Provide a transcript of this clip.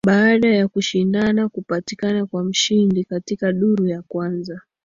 baada kushindana kupatikana kwa mshindi katika duru ya kwanza